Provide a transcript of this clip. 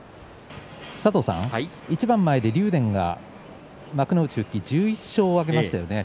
一番前で、竜電が幕内復帰で１１勝を挙げましたね。